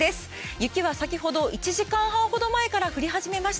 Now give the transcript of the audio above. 雪は先ほど１時間半ほど前から降り始めました。